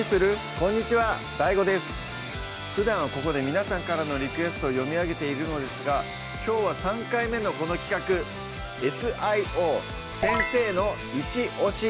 こんにちはＤＡＩＧＯですふだんはここで皆さんからのリクエストを読み上げているのですがきょうは３回目のこの企画「Ｓ・Ｉ・Ｏ先生のイチオシ！」